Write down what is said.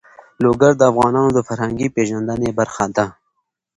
لوگر د افغانانو د فرهنګي پیژندنې برخه ده.